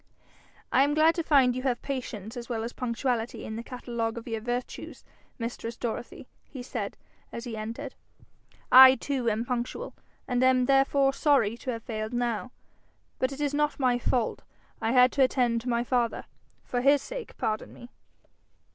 'I am glad to find you have patience as well as punctuality in the catalogue of your virtues, mistress Dorothy,' he said as he entered. 'I too am punctual, and am therefore sorry to have failed now, but it is not my fault: I had to attend my father. For his sake pardon me.'